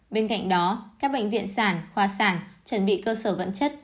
bên cạnh đó các bệnh viện sản khoa sản chuẩn bị cơ sở vật chất